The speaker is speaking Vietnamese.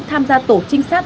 tham gia tổ trinh sát